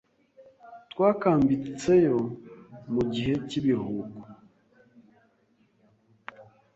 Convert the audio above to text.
Twakambitseyo mugihe cyibiruhuko.